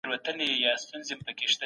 سیاستوال د کډوالو په قانون کي څه بدلوي؟